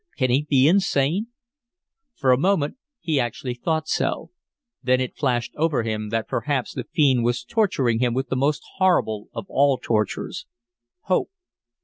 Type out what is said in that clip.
"Can he be insane?" For a moment he actually thought so; then it flashed over him that perhaps the fiend was torturing him with the most horrible of all tortures hope.